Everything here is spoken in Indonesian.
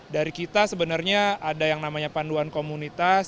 dari kita sebenarnya ada yang namanya panduan komunitas